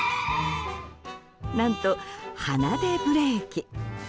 何と、鼻でブレーキ。